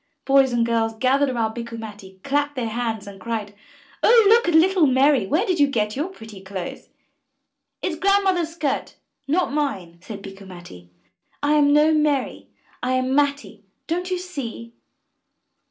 Boys and girls gathered about Bikku Matti, clapped their hands and cried, ''Oh, look at little Mary, where did you get your pretty clothes?*' 'It's Grandmother's skirt, and not mine," said Bikku Matti. '1 am no Mary, I am Matti, don't you see?"